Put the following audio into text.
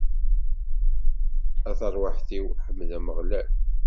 A tarwiḥt-iw, ḥmed Ameɣlal!